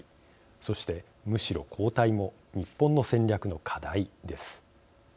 そして、むしろ後退も日本の戦略の課題です。